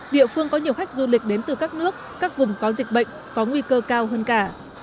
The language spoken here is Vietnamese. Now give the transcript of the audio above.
địa phương có nhiều khách du lịch đến từ các nước các vùng có dịch bệnh có nguy cơ cao hơn cả